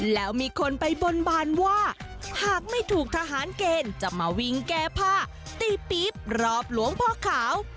แล้วมีคนไปบนบานว่าหากไม่ถูกทหารเกณฑ์จะมาวิ่งแก้ผ้าตีปี๊บรอบหลวงพ่อขาว